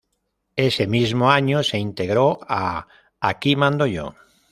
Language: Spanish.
Ese mismo año, se integró a "Aquí mando yo".